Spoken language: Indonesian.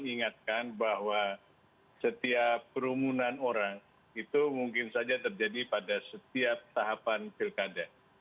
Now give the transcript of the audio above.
ingatkan bahwa setiap kerumunan orang itu mungkin saja terjadi pada setiap tahapan pilkada